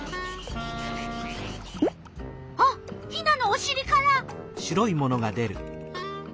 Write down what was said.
あっヒナのおしりから。